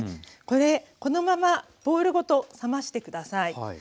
これこのままボウルごと冷まして下さい。